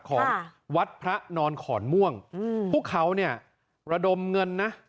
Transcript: ของวัดพระนอนขอนม่วงพวกเขาเนี่ยระดมเงินนะ